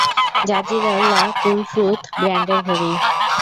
জাজির লা-কুলট্রুথ ব্র্যান্ডের ঘড়ি।